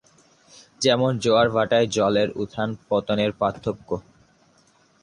যেমন: জোয়ার-ভাটায় জলের উথান-পতনের পার্থক্য।